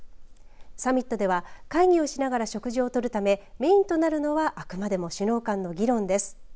サミットでは会議をしながら食事を取るためにメインとなるのはあくまでも首脳間の議論です。